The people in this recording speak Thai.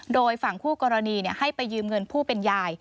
โดยฝั่งคู่กรณีให้ไปยืมเงินผู้เป็นยาย